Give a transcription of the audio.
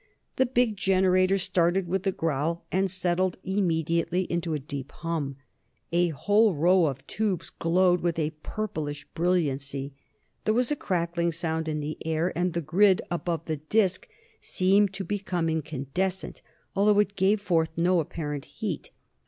The big generator started with a growl, and settled immediately into a deep hum; a whole row of tubes glowed with a purplish brilliancy. There was a crackling sound in the air, and the grid above the disc seemed to become incandescent, although it gave forth no apparent heat.